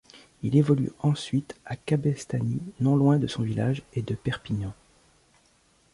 Il évolue ensuite à Cabestany, non loin de son village et de Perpignan.